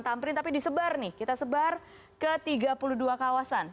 tamrin tapi disebar nih kita sebar ke tiga puluh dua kawasan